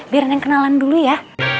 biar neneng kenalan dulu ya